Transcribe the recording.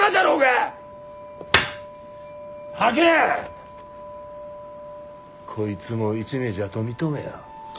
吐け！こいつも一味じゃと認めや。